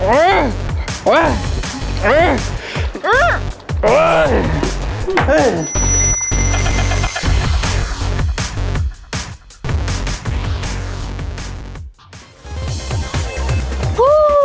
อ้าว